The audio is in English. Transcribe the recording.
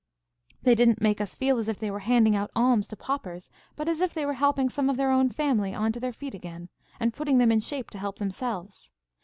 "They didn't make us feel as if they were handing out alms to paupers, but as if they were helping some of their own family on to their feet again, and putting them in shape to help themselves.